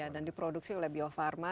dan diproduksi oleh bio farma